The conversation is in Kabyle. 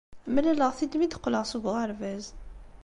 Mlaleɣ-t-id mi d-qqleɣ seg uɣerbaz.